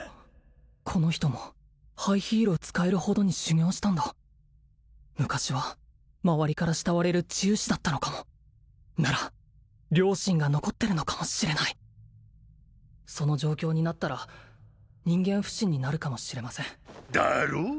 この人もハイヒールを使えるほどに修行したんだ昔は周りから慕われる治癒士だったのかもなら良心が残ってるのかもしれないその状況になったら人間不信になるかもしれませんだろう？